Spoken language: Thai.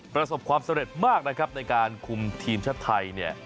ประสบความสำเร็จมากนะครับในการคุมทีมชาติไทยเนี่ย